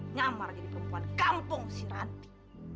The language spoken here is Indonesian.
nyamar jadi perempuan kampung si ranti